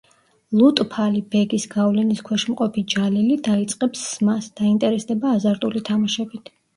ლუტფალი ბეგის გავლენის ქვეშ მყოფი ჯალილი დაიწყებს სმას, დაინტერესდება აზარტული თამაშებით.